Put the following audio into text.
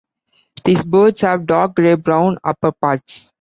These birds have dark grey-brown upperparts.